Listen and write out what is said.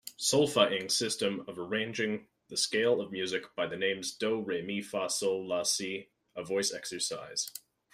Solfaing system of arranging the scale of music by the names do, re, mi, fa, sol, la, si a voice exercise.